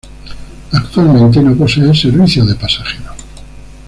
Actualmente no posee servicios de pasajeros.